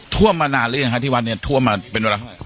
ท่วมมานานหรือยังฮะที่วัดนี้ท่วมมาเป็นเวลาไหน